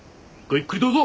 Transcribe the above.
ゆっくりどうぞ！